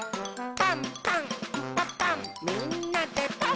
「パンパンんパパンみんなでパン！」